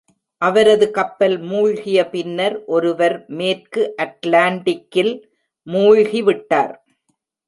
அவரது கப்பல் மூழ்கிய பின்னர் ஒருவர் மேற்கு அட்லாண்டிக்கில் மூழ்கிவிட்டார்.